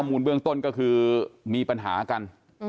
มูลเบื้องต้นก็คือมีปัญหากัน